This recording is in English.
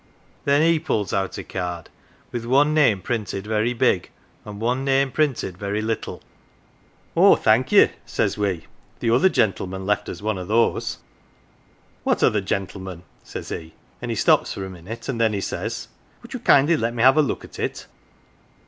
Then he pulls out a card with one name printed very big and one name printed very little. "' Oh, thank ye,' says we, ' the other gentleman left us one o' those.' "' What other gentleman ?' says he, and he stops for a minute, and then he says, ' would you kindly let me have a look at it